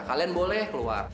kalian boleh keluar